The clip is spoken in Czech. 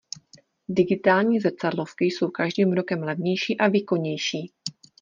Digitální zrcadlovky jsou každým rokem levnější a výkonnější.